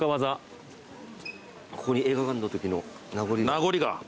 ここに映画館のときの名残が。